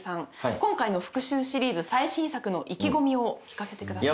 今回の復讐シリーズ最新作の意気込みを聞かせてください。